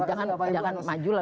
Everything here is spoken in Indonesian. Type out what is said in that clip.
jangan maju lalu